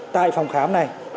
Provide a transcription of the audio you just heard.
tại phòng khám này